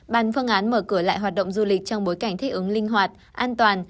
bàn phương án mở cửa lại hoạt động du lịch trong bối cảnh thích ứng linh hoạt an toàn